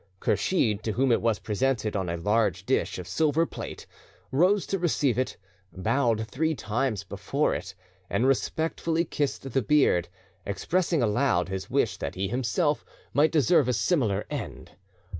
Kursheed, to whom it was presented on a large dish of silver plate, rose to receive it, bowed three times before it, and respectfully kissed the beard, expressing aloud his wish that he himself might deserve a similar end.